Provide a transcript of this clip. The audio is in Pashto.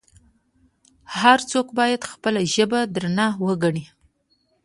هر څوک باید خپله ژبه درنه وګڼي.